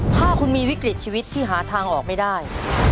ถ้าคุณมีวิกฤตชีวิตที่หาทางออกไม่ได้